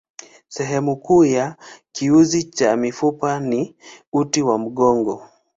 Sehemu kuu ya kiunzi cha mifupa ni uti wa mgongo.